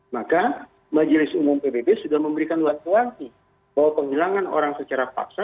maka majelis umum pbb sudah memberikan waktu waktu bahwa penghilangan orang secara paksa